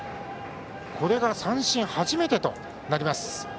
これが三振初めてとなります。